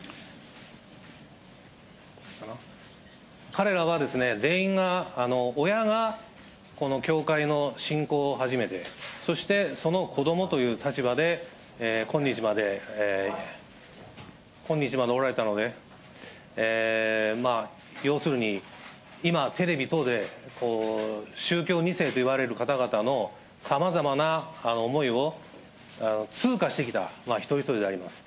彼らは、全員が親がこの教会の信仰を始めて、そしてその子どもという立場で、今日までおられたので、要するに、今、テレビ等で宗教２世といわれる方々の、さまざまな思いを通過してきた一人一人であります。